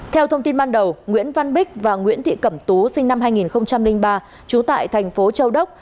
theo thông tin ban đầu nguyễn văn bích và nguyễn thị cẩm tú sinh năm hai nghìn ba trú tại thành phố châu đốc